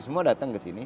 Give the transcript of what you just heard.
semua datang ke sini